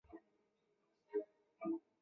王士禛甥婿。